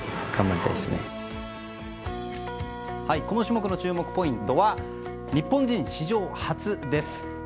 この種目の注目ポイントは日本人史上初です。